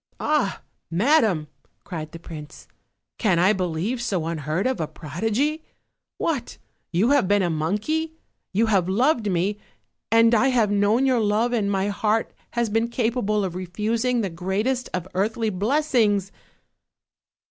"Ah, madam!" cried the prince, "can I believe so un heard of a prodigy? What! you have been a monkey; you have loved me, and I have known your love and my heart has been capable of refusing the greatest of earthly blessings!"